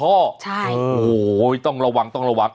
โอ้โหต้องระวังต้องระวัง